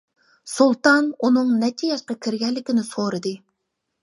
سۇلتان ئۇنىڭ نەچچە ياشقا كىرگەنلىكىنى سورىدى.